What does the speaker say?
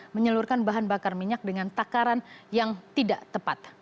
menyeluruhkan bahan bakar minyak dengan takaran yang tidak tepat